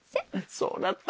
そうだった！